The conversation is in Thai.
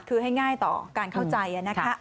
คือให้ง่ายต่อการเข้าใจนะคะ